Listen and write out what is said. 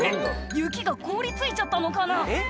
雪が凍り付いちゃったのかな？」